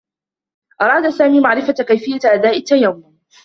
أراد سامي معرفة كيفيّة أداء التّيمّم.